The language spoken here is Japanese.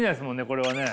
これはね。